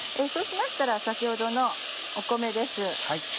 そうしましたら先ほどの米です。